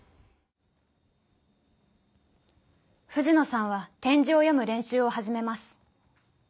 藤野さんは点字を読む練習を始めます。